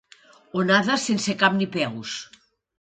Onada sense cap ni peus.